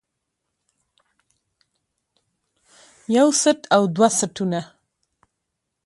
يو څټ او دوه څټونه